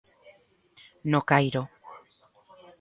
No Cairo.